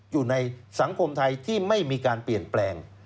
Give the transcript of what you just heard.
อยู่ในสังคมไทยที่ไม่มีการเปลี่ยนแปลง